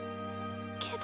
けど。